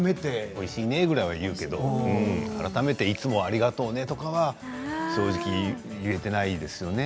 おいしいねくらいは言うけど改めていつもありがとうねは正直言えていないですね。